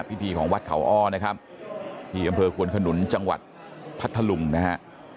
พิธีของวัดเขาอ้อนะครับที่อำเภอควนขนุนจังหวัดพัทธลุงนะฮะ